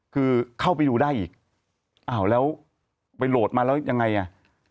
คือเข้าไปดูได้อีกอ้าวแล้วไปโหลดมาแล้วยังไงอ่ะ